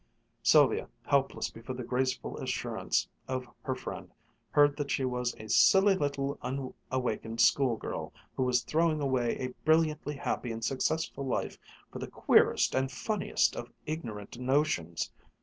Sylvia, helpless before the graceful assurance of her friend, heard that she was a silly little unawakened schoolgirl who was throwing away a brilliantly happy and successful life for the queerest and funniest of ignorant notions.